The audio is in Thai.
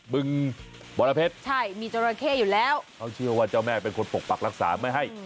คุณบ่นมีจรเข้อยู่แล้วเขาเชื่อว่าเจ้าแม่ไปผลปรักษาไหมให้